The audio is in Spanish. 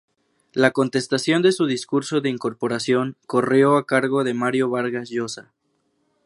La contestación de su discurso de incorporación corrió a cargo de Mario Vargas Llosa.